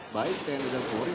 baik tn dan polri